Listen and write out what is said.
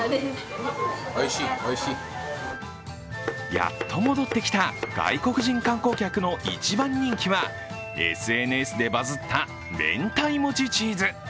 やっと戻ってきた外国人観光客の一番人気はＳＮＳでバズった明太もちチーズ。